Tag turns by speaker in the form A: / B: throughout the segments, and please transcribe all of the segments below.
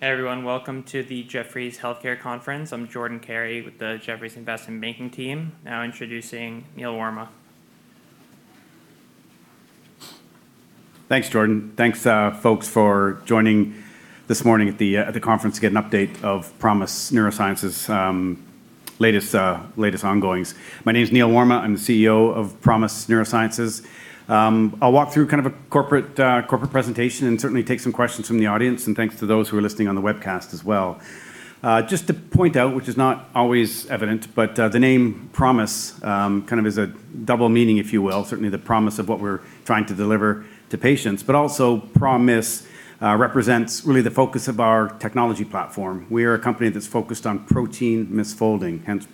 A: Hey everyone. Welcome to the Jefferies Global Healthcare Conference. I'm Jordan Carey with the Jefferies Investment Banking team. Now introducing Neil Warma.
B: Thanks, Jordan. Thanks, folks, for joining this morning at the conference to get an update of ProMIS Neurosciences' latest ongoings. My name's Neil Warma. I'm the CEO of ProMIS Neurosciences. I'll walk through a corporate presentation and certainly take some questions from the audience. Thanks to those who are listening on the webcast as well. Just to point out, which is not always evident, the name ProMIS is a double meaning, if you will. Certainly the promise of what we're trying to deliver to patients, also ProMIS represents really the focus of our technology platform. We are a company that's focused on protein misfolding, hence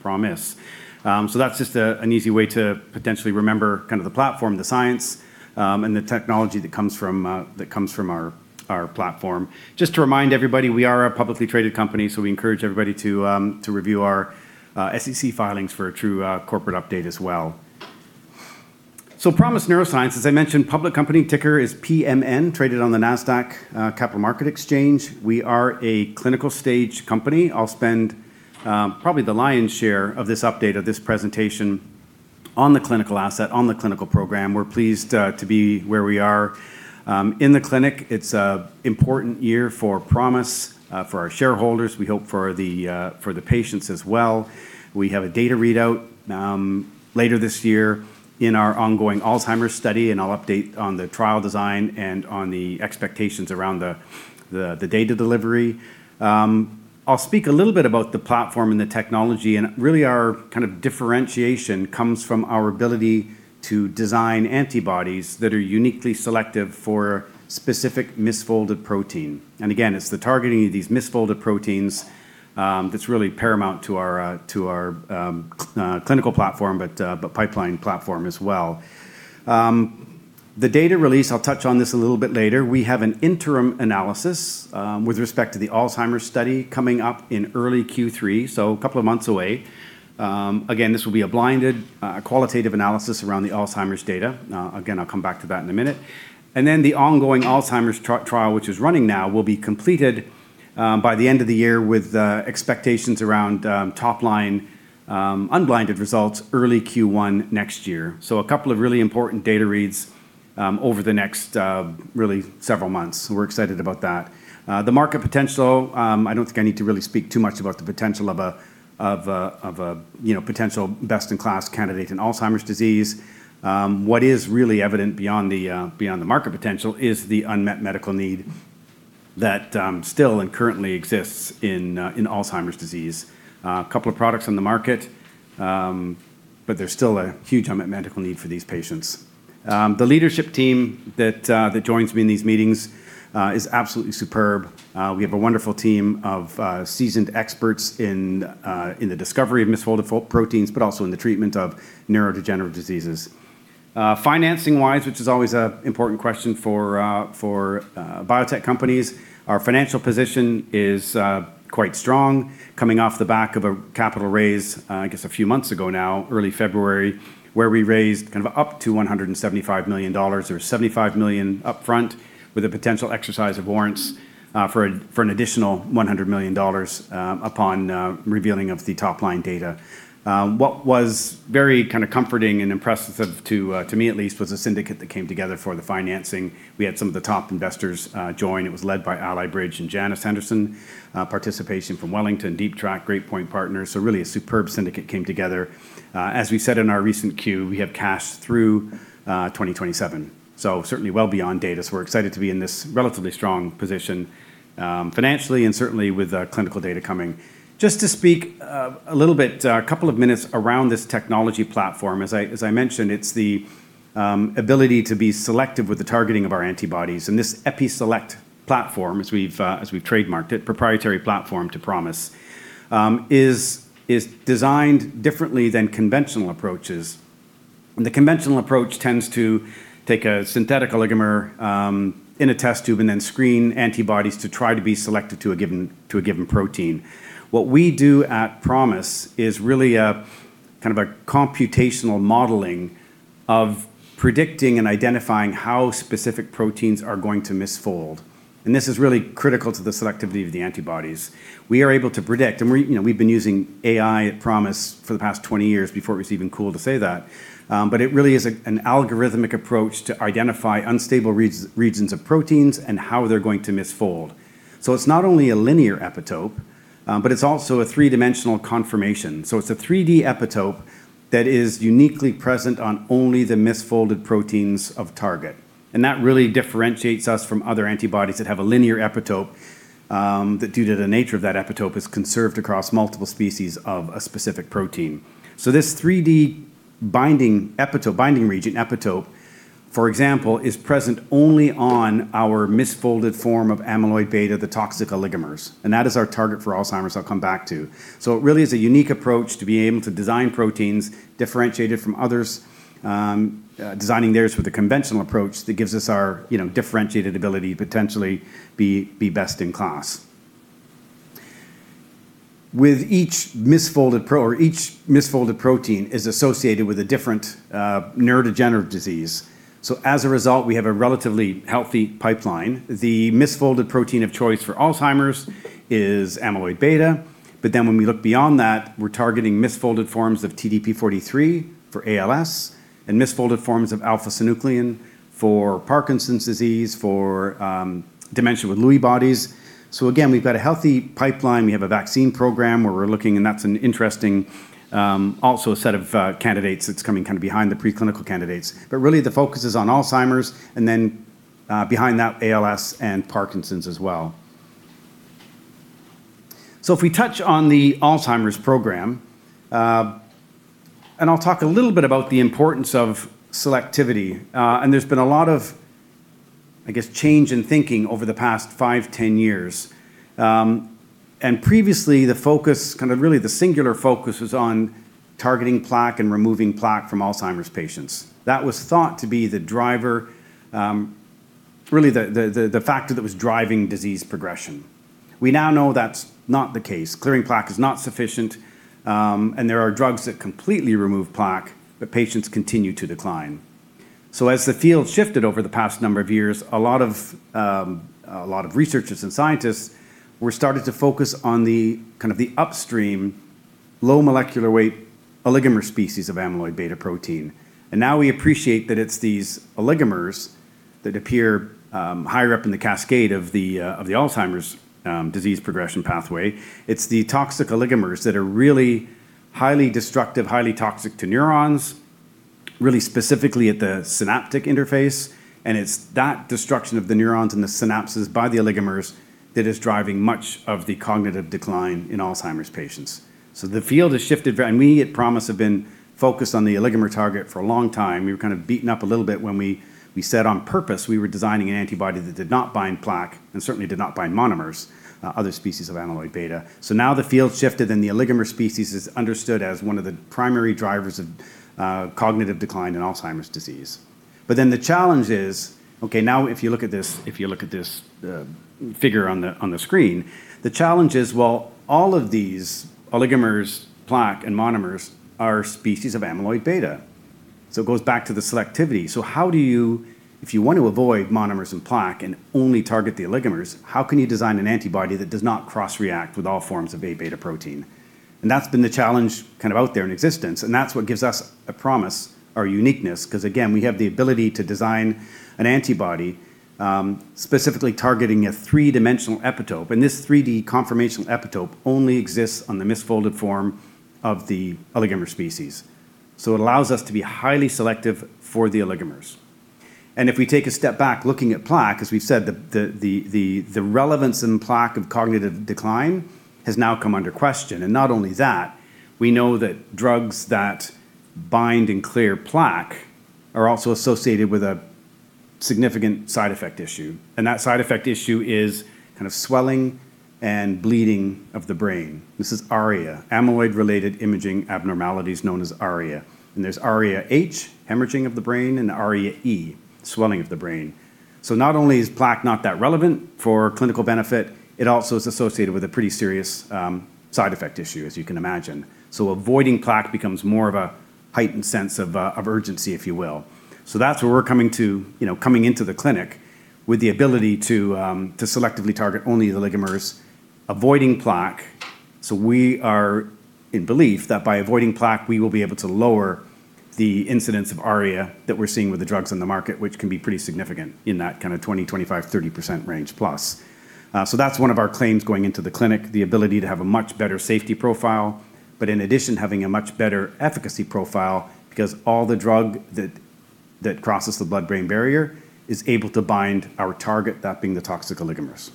B: ProMIS. That's just an easy way to potentially remember the platform, the science, and the technology that comes from our platform. Just to remind everybody, we are a publicly traded company, we encourage everybody to review our SEC filings for a true corporate update as well. ProMIS Neurosciences, I mentioned public company ticker is PMN, traded on the Nasdaq Capital Market Exchange. We are a clinical stage company. I'll spend probably the lion's share of this update of this presentation on the clinical asset, on the clinical program. We're pleased to be where we are in the clinic. It's an important year for ProMIS, for our shareholders. We hope for the patients as well. We have a data readout later this year in our ongoing Alzheimer's study, and I'll update on the trial design and on the expectations around the data delivery. I'll speak a little bit about the platform and the technology, and really our differentiation comes from our ability to design antibodies that are uniquely selective for specific misfolded protein. Again, it's the targeting of these misfolded proteins that's really paramount to our clinical platform, but pipeline platform as well. The data release, I'll touch on this a little bit later. We have an interim analysis with respect to the Alzheimer's study coming up in early Q3, so a couple of months away. This will be a blinded, qualitative analysis around the Alzheimer's data. I'll come back to that in a minute. The ongoing Alzheimer's trial, which is running now, will be completed by the end of the year with expectations around top-line unblinded results early Q1 next year. A couple of really important data reads over the next really several months. We're excited about that. The market potential, I don't think I need to really speak too much about the potential of a potential best-in-class candidate in Alzheimer's disease. What is really evident beyond the market potential is the unmet medical need that still and currently exists in Alzheimer's disease. A couple of products on the market, but there's still a huge unmet medical need for these patients. The leadership team that joins me in these meetings is absolutely superb. We have a wonderful team of seasoned experts in the discovery of misfolded proteins, but also in the treatment of neurodegenerative diseases. Financing-wise, which is always an important question for biotech companies, our financial position is quite strong coming off the back of a capital raise I guess a few months ago now, early February, where we raised up to $175 million or $75 million upfront with a potential exercise of warrants for an additional $100 million upon revealing of the top-line data. What was very comforting and impressive to me at least, was the syndicate that came together for the financing. We had some of the top investors join. It was led by Ally Bridge and Janus Henderson. Participation from Wellington, Deep Track, Great Point Partners. Really a superb syndicate came together. As we said in our recent Q, we have cash through 2027, certainly well beyond data. We're excited to be in this relatively strong position financially and certainly with clinical data coming. Just to speak a couple of minutes around this technology platform. As I mentioned, it's the ability to be selective with the targeting of our antibodies. This EpiSelect platform, as we've trademarked it, proprietary platform to ProMIS, is designed differently than conventional approaches. The conventional approach tends to take a synthetic oligomer in a test tube and then screen antibodies to try to be selective to a given protein. What we do at ProMIS is really a computational modeling of predicting and identifying how specific proteins are going to misfold. This is really critical to the selectivity of the antibodies. We are able to predict, and we've been using AI at ProMIS for the past 20 years before it was even cool to say that. It really is an algorithmic approach to identify unstable regions of proteins and how they're going to misfold. It's not only a linear epitope, but it's also a three-dimensional conformation. It's a 3D epitope that is uniquely present on only the misfolded proteins of target. That really differentiates us from other antibodies that have a linear epitope, that due to the nature of that epitope, is conserved across multiple species of a specific protein. This 3D epitope binding region, epitope, for example, is present only on our misfolded form of amyloid beta, the toxic oligomers, and that is our target for Alzheimer's I'll come back to. It really is a unique approach to be able to design proteins differentiated from others, designing theirs with a conventional approach that gives us our differentiated ability potentially be best-in-class. With each misfolded protein is associated with a different neurodegenerative disease. As a result, we have a relatively healthy pipeline. The misfolded protein of choice for Alzheimer's is amyloid beta. When we look beyond that, we're targeting misfolded forms of TDP-43 for ALS, and misfolded forms of alpha-synuclein for Parkinson's disease, for Dementia with Lewy bodies. Again, we've got a healthy pipeline. We have a vaccine program where we're looking, and that's an interesting also set of candidates that's coming kind of behind the preclinical candidates. Really the focus is on Alzheimer's, and then behind that, ALS and Parkinson's as well. If we touch on the Alzheimer's program, and I'll talk a little bit about the importance of selectivity. There's been a lot of, I guess, change in thinking over the past 5 to 10 years. Previously, the singular focus was on targeting plaque and removing plaque from Alzheimer's patients. That was thought to be the factor that was driving disease progression. We now know that's not the case. Clearing plaque is not sufficient, and there are drugs that completely remove plaque, but patients continue to decline. As the field shifted over the past number of years, a lot of researchers and scientists were started to focus on the upstream low molecular weight oligomer species of amyloid beta protein. Now we appreciate that it's these oligomers that appear higher up in the cascade of the Alzheimer's disease progression pathway. It's the toxic oligomers that are really highly destructive, highly toxic to neurons, really specifically at the synaptic interface, and it's that destruction of the neurons and the synapses by the oligomers that is driving much of the cognitive decline in Alzheimer's patients. The field has shifted. We at ProMIS have been focused on the oligomer target for a long time. We were kind of beaten up a little bit when we said on purpose we were designing an antibody that did not bind plaque and certainly did not bind monomers, other species of amyloid beta. Now the field's shifted and the oligomer species is understood as one of the primary drivers of cognitive decline in Alzheimer's disease. The challenge is, okay, now if you look at this figure on the screen, the challenge is, well, all of these oligomers, plaque, and monomers are species of amyloid beta. It goes back to the selectivity. If you want to avoid monomers and plaque and only target the oligomers, how can you design an antibody that does not cross-react with all forms of Aβ protein? That's been the challenge kind of out there in existence, and that's what gives us at ProMIS our uniqueness. Again, we have the ability to design an antibody specifically targeting a three-dimensional epitope. This 3D conformation epitope only exists on the misfolded form of the oligomer species. It allows us to be highly selective for the oligomers. If we take a step back, looking at plaque, as we've said, the relevance in plaque of cognitive decline has now come under question. Not only that, we know that drugs that bind and clear plaque are also associated with a significant side effect issue. That side effect issue is kind of swelling and bleeding of the brain. This is ARIA, Amyloid-Related Imaging Abnormalities known as ARIA. There's ARIA-H, hemorrhaging of the brain, and ARIA-E, swelling of the brain. Not only is plaque not that relevant for clinical benefit, it also is associated with a pretty serious side effect issue, as you can imagine. Avoiding plaque becomes more of a heightened sense of urgency, if you will. That's where we're coming into the clinic with the ability to selectively target only the oligomers, avoiding plaque. We are in belief that by avoiding plaque, we will be able to lower the incidence of ARIA that we're seeing with the drugs on the market, which can be pretty significant in that kind of 20%-25%-30% range plus. That's one of our claims going into the clinic, the ability to have a much better safety profile. In addition, having a much better efficacy profile because all the drug that crosses the blood-brain barrier is able to bind our target, that being the toxic oligomers.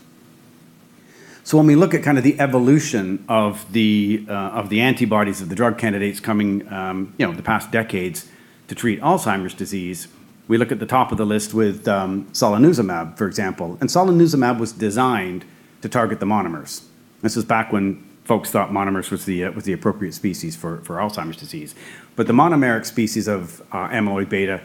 B: When we look at kind of the evolution of the antibodies of the drug candidates coming the past decades to treat Alzheimer's disease, we look at the top of the list with solanezumab, for example. Solanezumab was designed to target the monomers. This was back when folks thought monomers was the appropriate species for Alzheimer's disease. The monomeric species of amyloid beta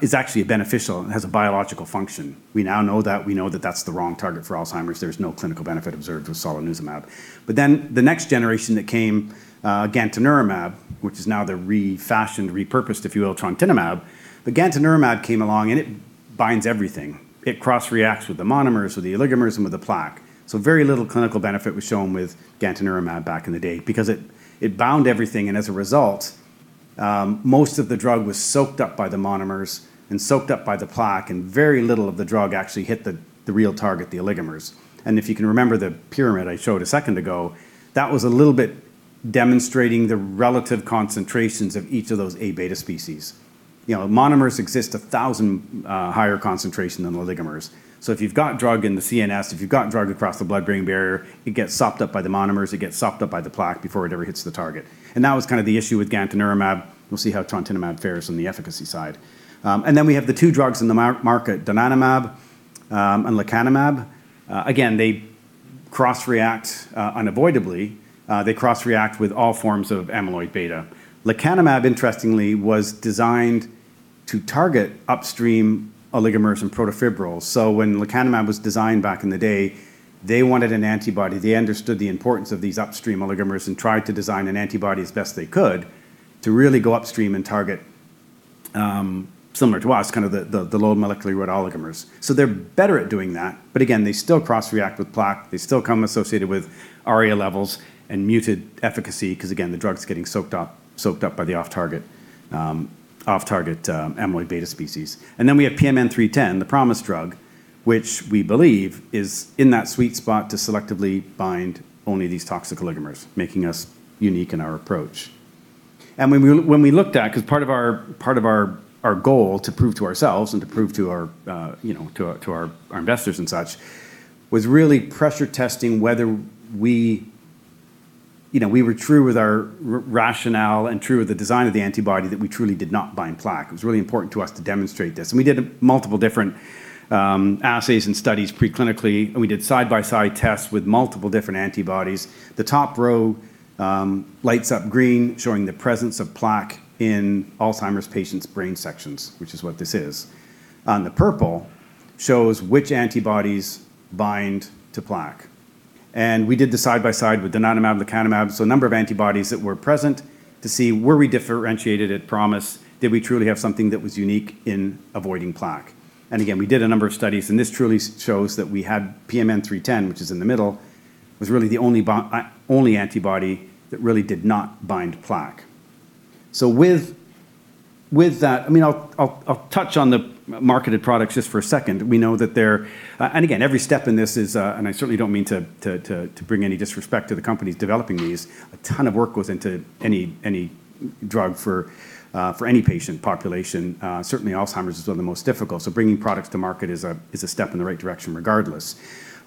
B: is actually beneficial and has a biological function. We now know that. We know that that's the wrong target for Alzheimer's. There's no clinical benefit observed with solanezumab. The next generation that came, gantenerumab, which is now the refashioned, repurposed, if you will, donanemab. Gantenerumab came along, and it binds everything. It cross-reacts with the monomers, with the oligomers, and with the plaque. Very little clinical benefit was shown with gantenerumab back in the day because it bound everything. As a result, most of the drug was soaked up by the monomers and soaked up by the plaque, and very little of the drug actually hit the real target, the oligomers. If you can remember the pyramid I showed a second ago, that was a little bit demonstrating the relative concentrations of each of those Aβ species. Monomers exist 1,000 higher concentration than the oligomers. If you've got drug in the CNS, if you've gotten drug across the blood-brain barrier, it gets sucked up by the monomers, it gets sucked up by the plaque before it ever hits the target. That was kind of the issue with gantenerumab. We'll see how donanemab fares on the efficacy side. Then we have the two drugs in the market, donanemab and lecanemab. Again, they cross-react unavoidably. They cross-react with all forms of amyloid beta. Lecanemab, interestingly, was designed to target upstream oligomers and protofibrils. When lecanemab was designed back in the day, they wanted an antibody. They understood the importance of these upstream oligomers and tried to design an antibody as best they could to really go upstream and target, similar to us, the low molecular weight oligomers. They're better at doing that, but again, they still cross-react with plaque. They still come associated with ARIA levels and muted efficacy because, again, the drug's getting soaked up by the off-target amyloid beta species. We have PMN310, the ProMIS drug, which we believe is in that sweet spot to selectively bind only these toxic oligomers, making us unique in our approach. When we looked at, because part of our goal to prove to ourselves and to prove to our investors and such, was really pressure testing whether we were true with our rationale and true with the design of the antibody that we truly did not bind plaque. It was really important to us to demonstrate this. We did multiple different assays and studies pre-clinically, and we did side-by-side tests with multiple different antibodies. The top row lights up green, showing the presence of plaque in Alzheimer's patients' brain sections, which is what this is. The purple shows which antibodies bind to plaque. We did the side-by-side with donanemab and lecanemab, a number of antibodies that were present to see were we differentiated at ProMIS, did we truly have something that was unique in avoiding plaque? Again, we did a number of studies, and this truly shows that we had PMN310, which is in the middle, was really the only antibody that really did not bind plaque. With that, I'll touch on the marketed products just for a second. We know that they're, and again, every step in this is, and I certainly don't mean to bring any disrespect to the companies developing these. A ton of work goes into any drug for any patient population. Certainly Alzheimer's is one of the most difficult. Bringing products to market is a step in the right direction regardless.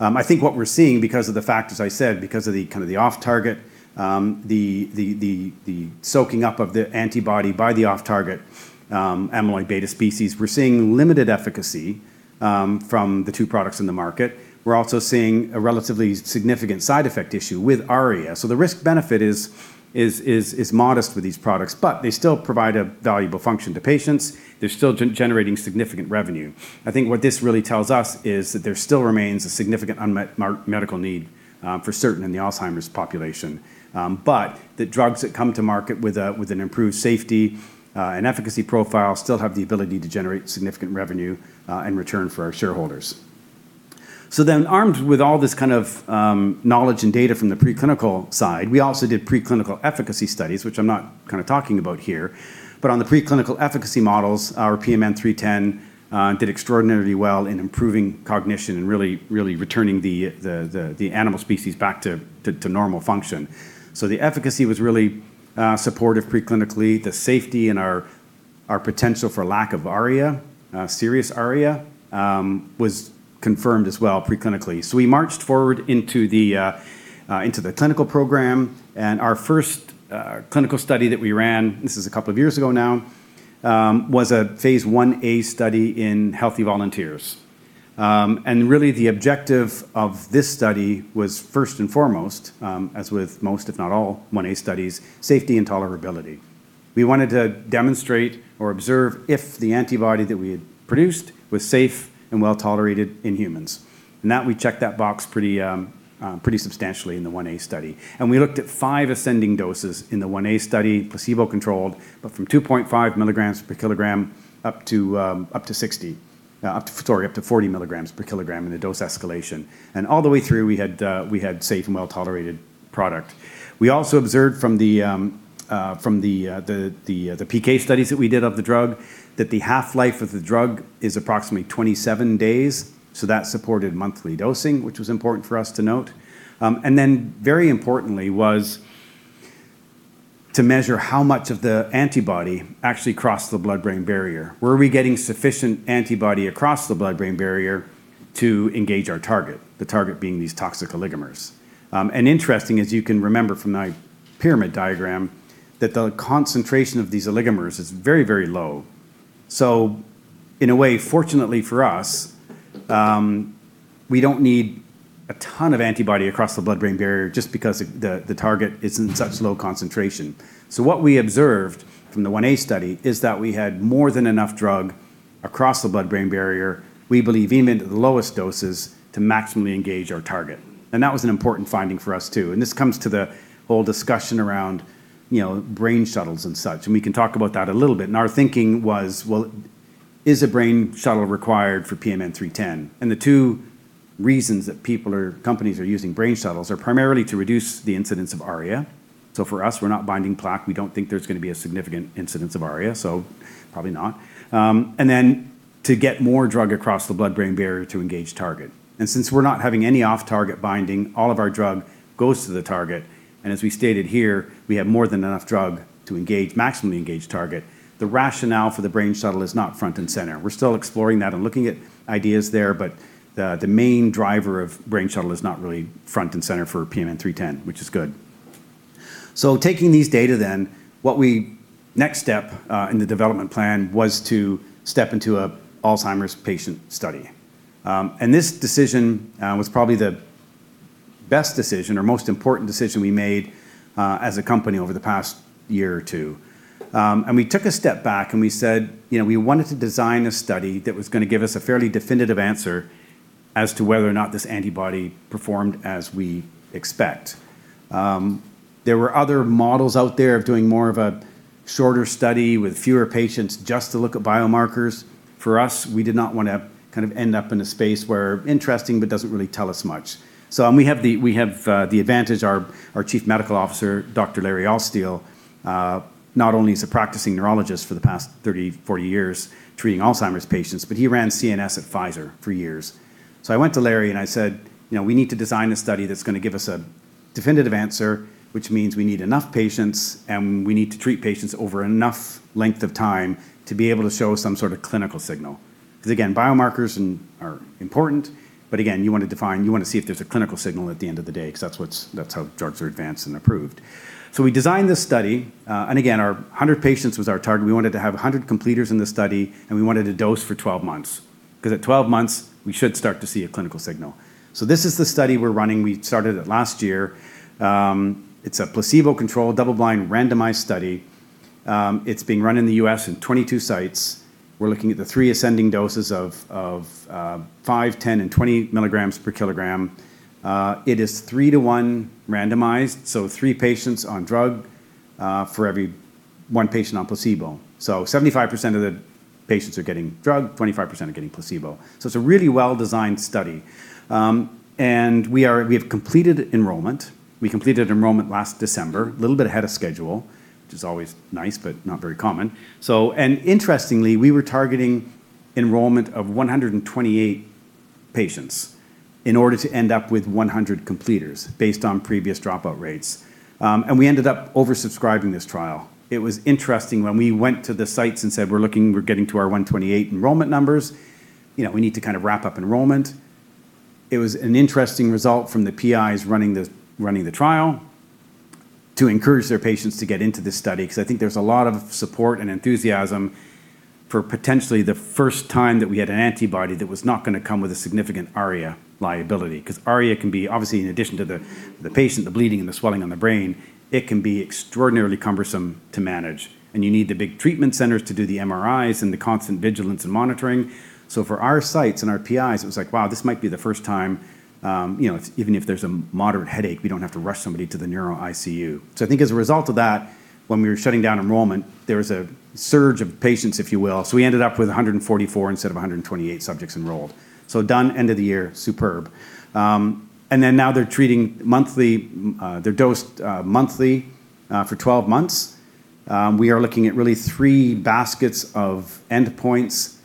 B: I think what we're seeing because of the fact, as I said, because of the off-target, the soaking up of the antibody by the off-target amyloid beta species, we're seeing limited efficacy from the two products in the market. We're also seeing a relatively significant side effect issue with ARIA. The risk-benefit is modest with these products, but they still provide a valuable function to patients. They're still generating significant revenue. I think what this really tells us is that there still remains a significant unmet medical need for certain in the Alzheimer's population. The drugs that come to market with an improved safety and efficacy profile still have the ability to generate significant revenue and return for our shareholders. Armed with all this kind of knowledge and data from the pre-clinical side, we also did pre-clinical efficacy studies, which I'm not talking about here. On the pre-clinical efficacy models, our PMN310 did extraordinarily well in improving cognition and really returning the animal species back to normal function. The efficacy was really supportive pre-clinically. The safety and our potential for lack of serious ARIA was confirmed as well pre-clinically. We marched forward into the clinical program. Our first clinical study that we ran, this is a couple of years ago now, was a phase I-A study in healthy volunteers. Really the objective of this study was first and foremost, as with most, if not all I-A studies, safety and tolerability. We wanted to demonstrate or observe if the antibody that we had produced was safe and well-tolerated in humans. That we checked that box pretty substantially in the I-A study. We looked at five ascending doses in the I-A study, placebo-controlled, from 2.5 mg/kg up to 40 mg/kg in the dose escalation. All the way through, we had safe and well-tolerated product. We also observed from the PK studies that we did of the drug, that the half-life of the drug is approximately 27 days. That supported monthly dosing, which was important for us to note. Very importantly was to measure how much of the antibody actually crossed the blood-brain barrier. Were we getting sufficient antibody across the blood-brain barrier to engage our target? The target being these toxic oligomers. Interesting, as you can remember from my pyramid diagram, that the concentration of these oligomers is very low. In a way, fortunately for us, we don't need a ton of antibody across the blood-brain barrier just because the target is in such low concentration. What we observed from the phase I-A study is that we had more than enough drug across the blood-brain barrier, we believe even at the lowest doses, to maximally engage our target. That was an important finding for us, too. This comes to the whole discussion around brain shuttles and such, and we can talk about that a little bit. Our thinking was, well, is a brain shuttle required for PMN310? The two reasons that companies are using brain shuttles are primarily to reduce the incidence of ARIA. For us, we're not binding plaque. We don't think there's going to be a significant incidence of ARIA, so probably not. To get more drug across the blood-brain barrier to engage target. Since we're not having any off-target binding, all of our drug goes to the target. As we stated here, we have more than enough drug to maximally engage target. The rationale for the brain shuttle is not front and center. We're still exploring that and looking at ideas there, but the main driver of brain shuttle is not really front and center for PMN310, which is good. Taking these data then, next step in the development plan was to step into an Alzheimer's patient study. This decision was probably the best decision or most important decision we made as a company over the past year or two. We took a step back and we said we wanted to design a study that was going to give us a fairly definitive answer as to whether or not this antibody performed as we expect. There were other models out there of doing more of a shorter study with fewer patients just to look at biomarkers. For us, we did not want to end up in a space where interesting, but doesn't really tell us much. We have the advantage. Our chief medical officer, Dr. Larry Altstiel, not only is a practicing neurologist for the past 30-40 years treating Alzheimer's patients, but he ran CNS at Pfizer for years. I went to Larry and I said, we need to design a study that's going to give us a definitive answer, which means we need enough patients, and we need to treat patients over enough length of time to be able to show some sort of clinical signal. Again, biomarkers are important, but again, you want to see if there's a clinical signal at the end of the day because that's how drugs are advanced and approved. We designed this study. Again, our 100 patients was our target. We wanted to have 100 completers in the study, and we wanted to dose for 12 months. At 12 months, we should start to see a clinical signal. This is the study we're running. We started it last year. It's a placebo-controlled, double-blind, randomized study. It's being run in the U.S. in 22 sites. We're looking at the three ascending doses of 5 mg, 10 mg, and 20 mg per kg. It is 3:1 randomized, so three patients on drug for every one patient on placebo. 75% of the patients are getting drug, 25% are getting placebo. It's a really well-designed study. We have completed enrollment. We completed enrollment last December, a little bit ahead of schedule, which is always nice, but not very common. Interestingly, we were targeting enrollment of 128 patients in order to end up with 100 completers based on previous dropout rates. We ended up over-subscribing this trial. It was interesting when we went to the sites and said, we're getting to our 128 enrollment numbers. We need to wrap up enrollment. It was an interesting result from the PIs running the trial to encourage their patients to get into this study because I think there's a lot of support and enthusiasm for potentially the first time that we had an antibody that was not going to come with a significant ARIA liability. Because ARIA can be, obviously in addition to the patient, the bleeding and the swelling on the brain, it can be extraordinarily cumbersome to manage. You need the big treatment centers to do the MRIs and the constant vigilance and monitoring. For our sites and our PIs, it was like, wow, this might be the first time even if there's a moderate headache, we don't have to rush somebody to the neuro ICU. I think as a result of that, when we were shutting down enrollment, there was a surge of patients, if you will. We ended up with 144 instead of 128 subjects enrolled. Done end of the year, superb. Now they're dosed monthly for 12 months. We are looking at really three baskets of endpoints,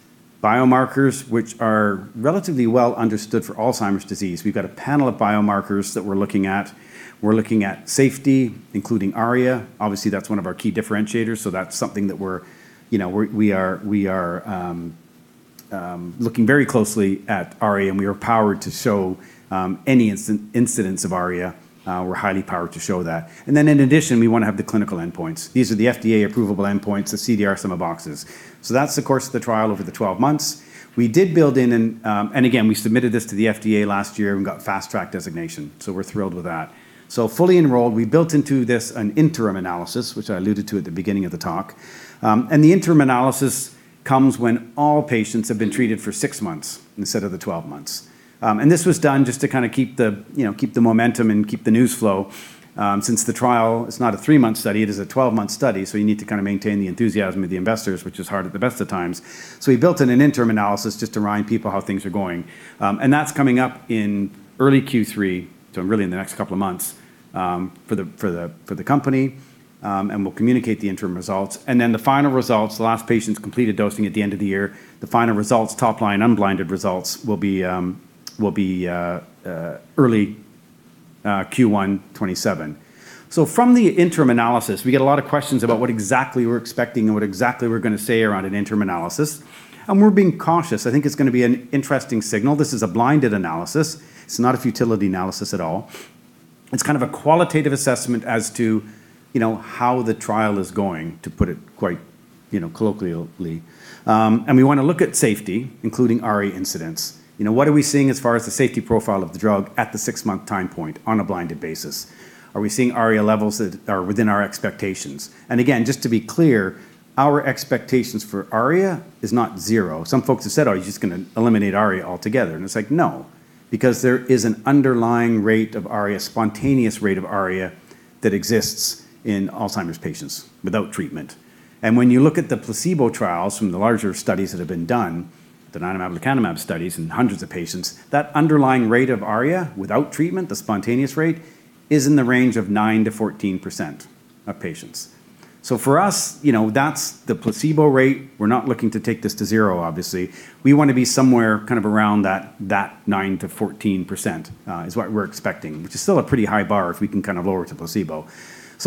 B: biomarkers, which are relatively well understood for Alzheimer's disease. We've got a panel of biomarkers that we're looking at. We're looking at safety, including ARIA. Obviously, that's one of our key differentiators, so that's something that we are looking very closely at ARIA, and we are powered to show any incidents of ARIA. We're highly powered to show that. In addition, we want to have the clinical endpoints. These are the FDA approvable endpoints, the CDR sum of boxes. That's the course of the trial over the 12 months. Again, we submitted this to the FDA last year and got Fast Track designation. We're thrilled with that. Fully enrolled. We built into this an interim analysis, which I alluded to at the beginning of the talk. The interim analysis comes when all patients have been treated for six months instead of the 12 months. This was done just to keep the momentum and keep the news flow. Since the trial is not a three-month study, it is a 12-month study, so you need to maintain the enthusiasm of the investors, which is hard at the best of times. We built in an interim analysis just to remind people how things are going. That's coming up in early Q3, so really in the next couple of months for the company. We'll communicate the interim results. Then the final results, the last patients completed dosing at the end of the year. The final results, top line unblinded results will be early Q1 2027. From the interim analysis, we get a lot of questions about what exactly we're expecting and what exactly we're going to say around an interim analysis. We're being cautious. I think it's going to be an interesting signal. This is a blinded analysis. It's not a futility analysis at all. It's a qualitative assessment as to how the trial is going, to put it quite colloquially. We want to look at safety, including ARIA incidents. What are we seeing as far as the safety profile of the drug at the six-month time point on a blinded basis? Are we seeing ARIA levels that are within our expectations? Again, just to be clear, our expectations for ARIA is not zero. Some folks have said, oh, you're just going to eliminate ARIA altogether. It's like, no, because there is an underlying rate of ARIA, spontaneous rate of ARIA that exists in Alzheimer's patients without treatment. When you look at the placebo trials from the larger studies that have been done, the donanemab, lecanemab studies in hundreds of patients, that underlying rate of ARIA without treatment, the spontaneous rate, is in the range of 9%-14% of patients. For us, that's the placebo rate. We're not looking to take this to zero, obviously. We want to be somewhere around that 9%-14%, is what we're expecting, which is still a pretty high bar if we can lower it to placebo.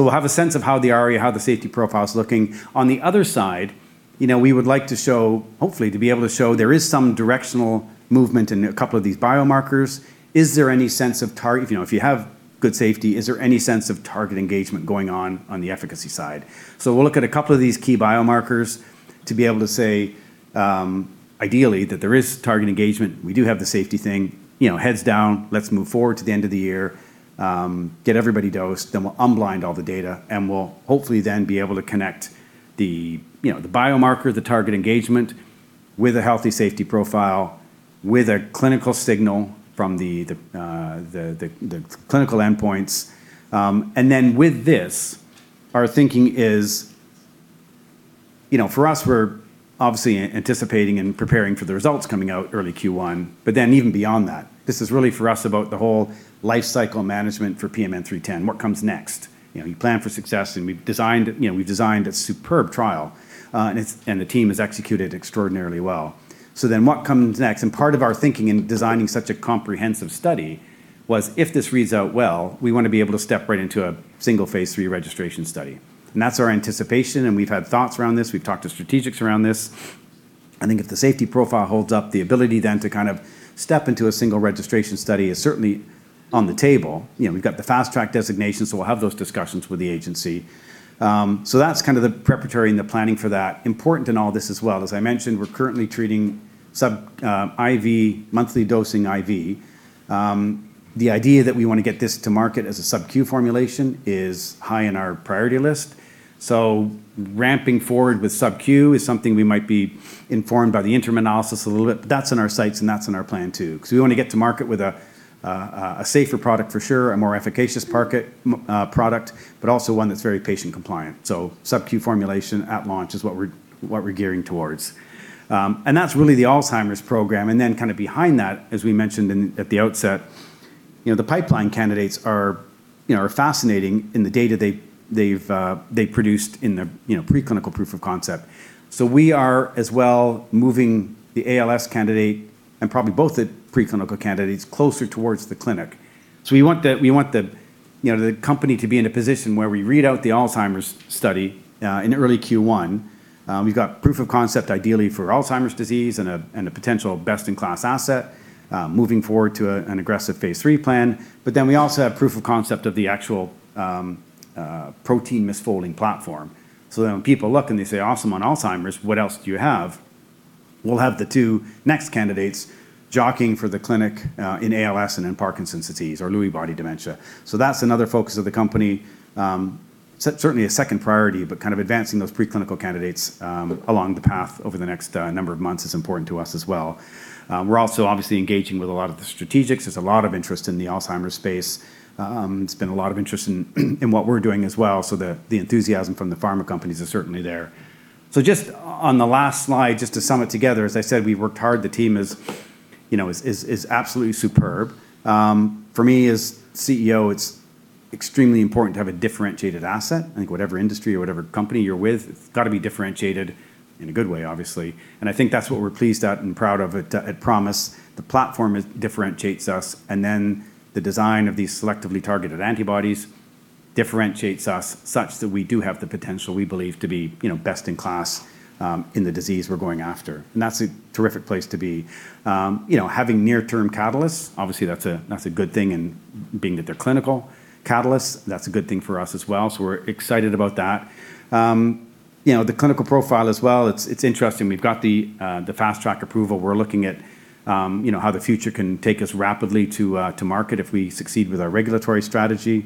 B: We'll have a sense of how the ARIA, how the safety profile's looking. On the other side, we would like to show, hopefully to be able to show there is some directional movement in a couple of these biomarkers. If you have good safety, is there any sense of target engagement going on on the efficacy side? We'll look at a couple of these key biomarkers to be able to say, ideally, that there is target engagement. We do have the safety thing. Heads down, let's move forward to the end of the year, get everybody dosed, then we'll unblind all the data. We'll hopefully then be able to connect the biomarker, the target engagement, with a healthy safety profile, with a clinical signal from the clinical endpoints. Then with this, our thinking is, for us, we're obviously anticipating and preparing for the results coming out early Q1. Then even beyond that. This is really, for us, about the whole life cycle management for PMN310. What comes next? You plan for success, and we've designed a superb trial. The team has executed extraordinarily well. Then what comes next? Part of our thinking in designing such a comprehensive study was if this reads out well, we want to be able to step right into a single phase III registration study. That's our anticipation, and we've had thoughts around this. We've talked to strategics around this. I think if the safety profile holds up, the ability then to kind of step into a single registration study is certainly on the table. We've got the Fast Track designation, so we'll have those discussions with the agency. That's kind of the preparatory and the planning for that. Important in all this as well, as I mentioned, we're currently treating IV monthly dosing IV. The idea that we want to get this to market as a sub-Q formulation is high on our priority list. Ramping forward with sub-Q is something we might be informed by the interim analysis a little bit. That's in our sights, and that's in our plan, too. We want to get to market with a safer product for sure, a more efficacious product. Also one that's very patient compliant. Sub-Q formulation at launch is what we're gearing towards. That's really the Alzheimer's program. Kind of behind that, as we mentioned at the outset, the pipeline candidates are fascinating in the data they produced in their preclinical proof of concept. We are, as well, moving the ALS candidate and probably both the preclinical candidates closer towards the clinic. We want the company to be in a position where we read out the Alzheimer's study in early Q1. We've got proof of concept ideally for Alzheimer's disease and a potential best-in-class asset moving forward to an aggressive phase III plan. We also have proof of concept of the actual protein misfolding platform. When people look and they say, awesome on Alzheimer's, what else do you have? We'll have the two next candidates jockeying for the clinic in ALS and in Parkinson's disease or Lewy body dementia. That's another focus of the company. Certainly a second priority, kind of advancing those preclinical candidates along the path over the next number of months is important to us as well. We're also obviously engaging with a lot of the strategics. There's a lot of interest in the Alzheimer's space. There's been a lot of interest in what we're doing as well. The enthusiasm from the pharma companies is certainly there. Just on the last slide, just to sum it together, as I said, we've worked hard. The team is absolutely superb. For me as CEO, it's extremely important to have a differentiated asset. I think whatever industry or whatever company you're with, it's got to be differentiated in a good way, obviously. I think that's what we're pleased at and proud of at ProMIS. The platform differentiates us, and then the design of these selectively targeted antibodies differentiates us such that we do have the potential, we believe, to be best in class in the disease we're going after. That's a terrific place to be. Having near-term catalysts, obviously that's a good thing and being that they're clinical catalysts, that's a good thing for us as well. We're excited about that. The clinical profile as well, it's interesting. We've got the Fast Track approval. We're looking at how the future can take us rapidly to market if we succeed with our regulatory strategy.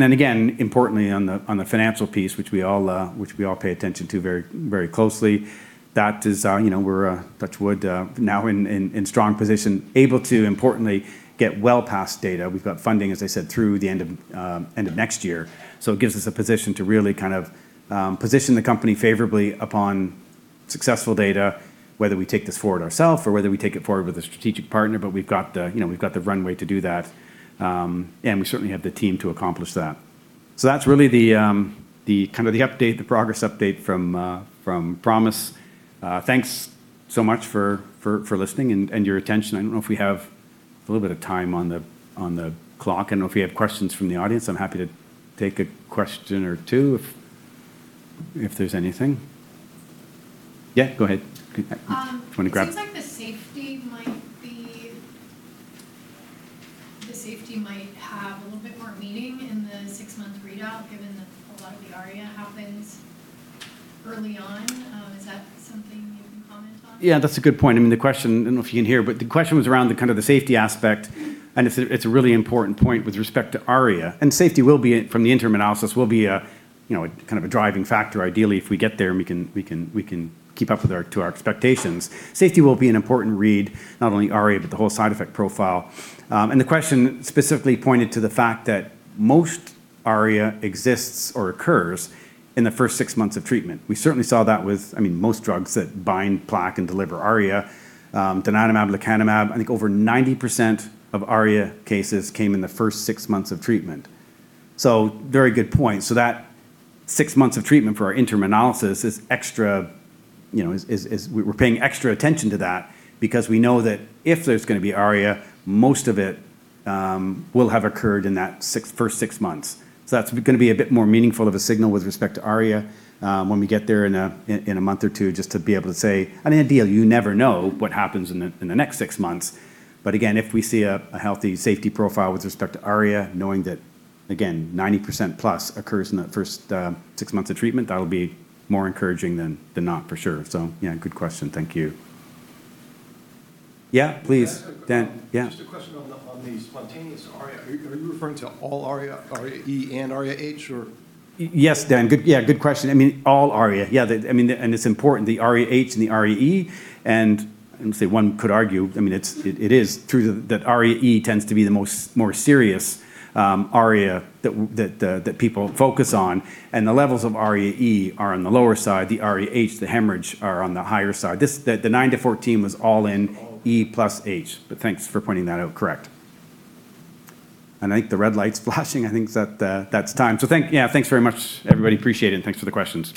B: Again, importantly on the financial piece, which we all pay attention to very closely. Touch wood. We are now in strong position, able to importantly get well past data. We've got funding, as I said, through the end of next year. It gives us a position to really kind of position the company favorably upon successful data, whether we take this forward ourself or whether we take it forward with a strategic partner. We've got the runway to do that. We certainly have the team to accomplish that. That's really the kind of the update, the progress update from ProMIS. Thanks so much for listening and your attention. I don't know if we have a little bit of time on the clock. I don't know if we have questions from the audience. I'm happy to take a question or two if there's anything. Yeah, go ahead. You want to grab.
C: It seems like the safety might have a little bit more meaning in the six-month readout given that a lot of the ARIA happens early on. Is that something you can comment on?
B: Yeah, that's a good point. I don't know if you can hear, but the question was around the kind of the safety aspect, and it's a really important point with respect to ARIA. Safety from the interim analysis will be kind of a driving factor ideally if we get there and we can keep up to our expectations. Safety will be an important read, not only ARIA, but the whole side effect profile. The question specifically pointed to the fact that most ARIA exists or occurs in the first six months of treatment. We certainly saw that with most drugs that bind plaque and deliver ARIA. Donanemab, lecanemab, I think over 90% of ARIA cases came in the first six months of treatment. Very good point. That six months of treatment for our interim analysis, we're paying extra attention to that because we know that if there's going to be ARIA, most of it will have occurred in that first six months. That's going to be a bit more meaningful of a signal with respect to ARIA when we get there in a month or two, just to be able to say. Ideally, you never know what happens in the next six months. Again, if we see a healthy safety profile with respect to ARIA, knowing that, again, 90%+ occurs in the first six months of treatment, that'll be more encouraging than not for sure. Good question. Thank you. Yeah, please. Dan. Yeah.
D: Just a question on the spontaneous ARIA. Are you referring to all ARIA-E and ARIA-H or?
B: Yes, Dan. Good question. All ARIA. Yeah. It's important, the ARIA-H and the ARIA-E. One could argue, it is true that ARIA-E tends to be the more serious ARIA that people focus on. The levels of ARIA-E are on the lower side. The ARIA-H, the hemorrhage, are on the higher side. The 9%-14% was all in E+H. Thanks for pointing that out. Correct. I think the red light's flashing. I think that's time. Thanks very much, everybody. Appreciate it, and thanks for the questions